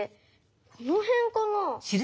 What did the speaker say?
このへんかな？